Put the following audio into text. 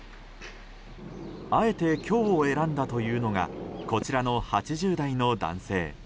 あえて、今日を選んだというのがこちらの８０代の男性。